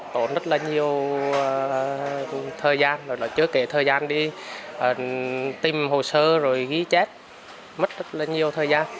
tổn rất là nhiều thời gian chứa kể thời gian đi tìm hồ sơ rồi ghi chép mất rất là nhiều thời gian